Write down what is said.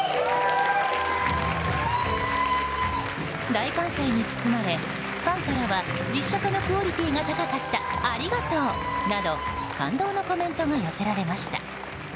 大歓声に包まれ、ファンからは実写化のクオリティーが高かったありがとうなどの感動のコメントが寄せられました。